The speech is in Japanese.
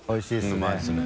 Δうまいですね。